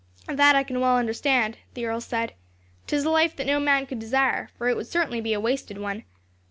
"That I can well understand," the earl said. "'Tis a life that no man could desire, for it would certainly be a wasted one.